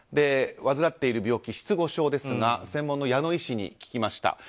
患っている病気、失語症ですが専門の矢野医師に聞きました。